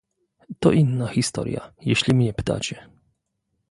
To inna historia, jeśli mnie pytacie